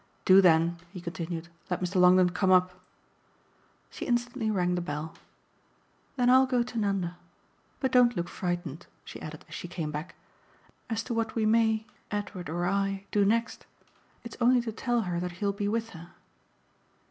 Do then," he continued, "let Mr. Longdon come up." She instantly rang the bell. "Then I'll go to Nanda. But don't look frightened," she added as she came back, "as to what we may Edward or I do next. It's only to tell her that he'll be with her."